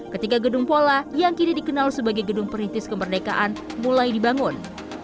ketika gedung pola yang kini dikenal sebagai gedung perintis kemerdekaan mulai dibangun